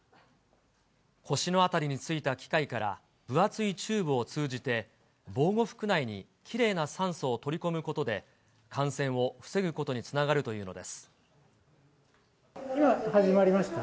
腰の辺りについた機械から分厚いチューブを通じて、防護服内にきれいな酸素を取り込むことで、感染を防ぐことにつな今、始まりました。